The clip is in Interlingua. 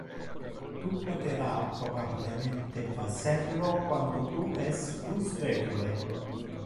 Tu potera probabilemente facer lo quando tu es plus vetule.